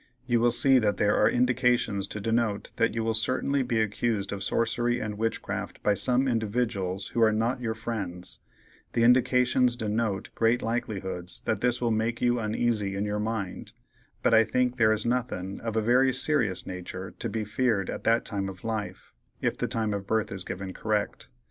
You will see that there are indications to denote that you will certainly be accused of sorcery and witchcraft by some individdyals who are not your friends—the indications denote great likelihoods that this will make you uneasy in your mind, but I think there is nothin' of a very serious natur' to be feared at that time of life, if the time of birth is given correct.